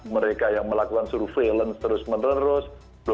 mereka yang melakukan surveillance terus menerus